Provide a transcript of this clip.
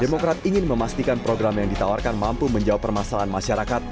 demokrat ingin memastikan program yang ditawarkan mampu menjawab permasalahan masyarakat